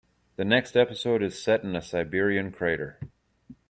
The next episode is set in a Siberian crater.